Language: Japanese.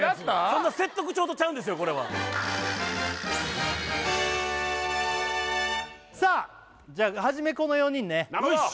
そんな説得調とちゃうんですよさあじゃあ初めこの４人ねよし！